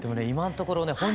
今のところね